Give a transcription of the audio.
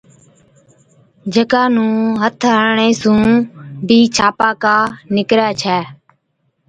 جڪا نُون هٿ هڻڻي سُون بِي ڇاپاڪا نِڪرَي ڇَي۔